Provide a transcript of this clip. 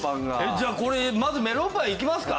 じゃあこれまずメロンパンいきますか？